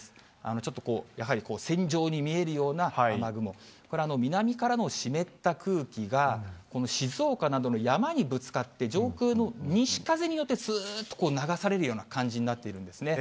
ちょっとやはり線状に見えるような雨雲、これ、南からの湿った空気が、この静岡などの山にぶつかって、上空の西風によって、すーっと流されるような感じになっているんですね。